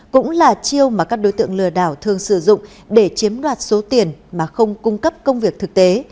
cũng là chiêu mà các đối tượng lừa đảo thường sử dụng để chiếm đoạt số tiền mà không cung cấp công việc thực tế